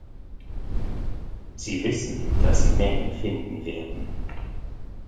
Sie wissen, dass sie Mängel finden werden.